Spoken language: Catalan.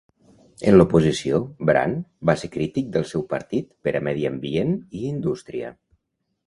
En l'oposició, Brand va ser crític del seu partit per a Medi Ambient i Indústria.